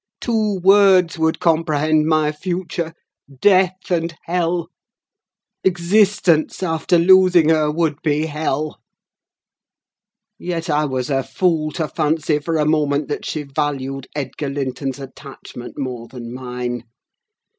Two words would comprehend my future—death and hell: existence, after losing her, would be hell. Yet I was a fool to fancy for a moment that she valued Edgar Linton's attachment more than mine.